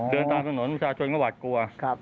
เดินตามถนนประชาชนก็หวาดกลัว